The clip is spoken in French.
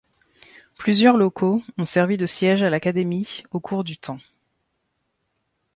Plusieurs locaux ont servi de siège à l'académie au cours du temps.